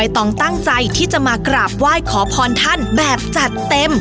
ที่จะมากราบว่ายขอพรท่านแบบจัดเต็ม